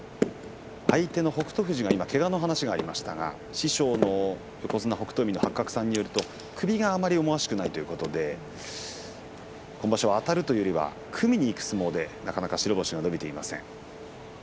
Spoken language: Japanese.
相手の北勝富士けがの話がありますけども師匠の北勝海の八角さんによりますと首があまり思わしくないということで今場所はあたるというよりも組みにいく相撲で組みづらいだろうね。